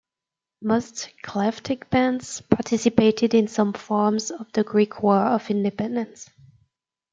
Most klephtic bands participated in some form in the Greek War of Independence.